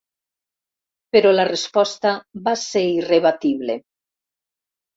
Però la resposta va ser irrebatible.